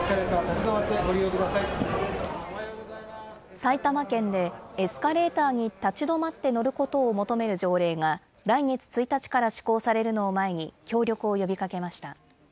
埼玉県で、エスカレーターに立ち止まって乗ることを求める条例が来月１日から施行されるのを前に、協力を呼びかけました。